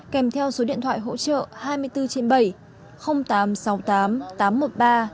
kèm theo số điện thoại hỗ trợ hai trăm bốn mươi bảy tám trăm sáu mươi tám tám trăm một mươi ba tám trăm bảy mươi chín